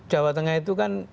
jawa tengah itu kan